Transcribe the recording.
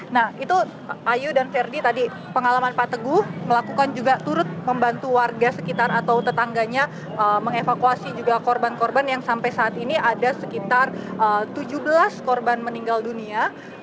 nah itu ayu dan verdi tadi pengalaman pak teguh melakukan juga turut membantu warga sekitar atau tetangganya mengevakuasi juga korban korban yang sampai saat ini ada sekitar tujuh belas korban meninggal dunia